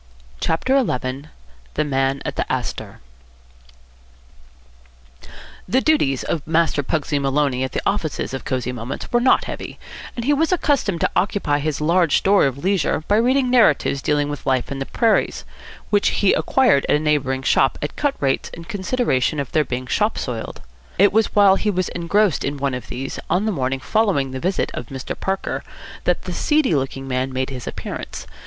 CHAPTER XI THE MAN AT THE ASTOR The duties of Master Pugsy Maloney at the offices of Cosy Moments were not heavy; and he was accustomed to occupy his large store of leisure by reading narratives dealing with life in the prairies, which he acquired at a neighbouring shop at cut rates in consideration of their being shop soiled. It was while he was engrossed in one of these, on the morning following the visit of Mr. Parker, that the seedy looking man made his appearance.